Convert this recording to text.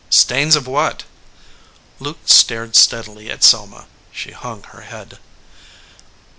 "Stains of what?" Luke stared steadily at Selma. She hung her head.